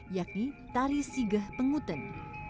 yakni tari sigah penguten